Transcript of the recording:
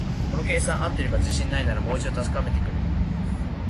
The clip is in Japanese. この計算、合ってるか自信ないから、もう一度確かめてみてくれる？